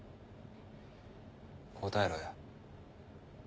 答えろよ。